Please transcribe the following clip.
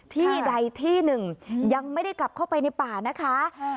ที่ใดที่หนึ่งยังไม่ได้กลับเข้าไปในป่านะคะ